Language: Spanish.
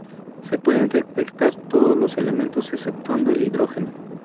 Se pueden detectar todos los elementos, exceptuando el hidrógeno.